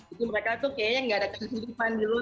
itu mereka tuh kayaknya gak ada kesudupan di luar